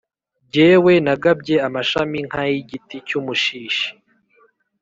Jyewe nagabye amashami nk’ay’igiti cy’umushishi,